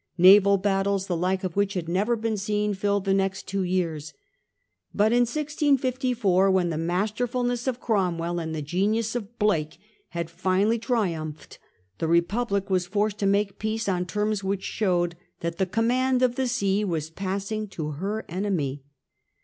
Naval battles, the like of which had never been seen, filled the next two years. But in 1654, when the masterfulness of Cromwell and the genius of Blake had finally triumphed, Treaty with Republic was forced to make peace on England, terms which showed that the command of the l6s4 ' sea was passing to her enemy.